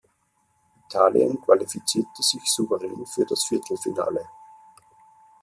Italien qualifizierte sich souverän für das Viertelfinale.